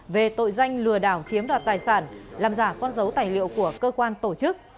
về tội danh lừa đảo chiếm đoạt tài sản làm giả con dấu tài liệu của cơ quan tổ chức